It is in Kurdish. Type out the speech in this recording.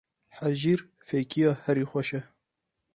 Hejîr fêkiya herî xweş e.